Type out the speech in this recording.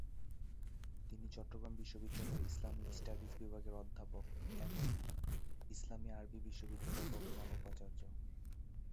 তিনি চট্টগ্রাম বিশ্ববিদ্যালয়ের Islamic studies বিভাগের অধ্যাপক এবং ইসলামি আরবি বিশ্ববিদ্যালয়ের বর্তমান উপাচার্য।